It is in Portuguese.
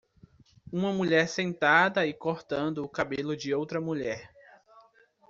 Uma mulher sentada e cortando o cabelo de outra mulher.